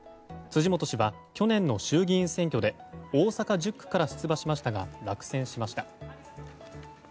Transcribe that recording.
辻元氏は去年の衆議院選挙で大阪１０区から出馬しましたが落選しました。